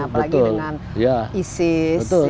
apalagi dengan isis